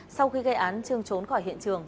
sau khi gây án trương trốn khỏi hiện trường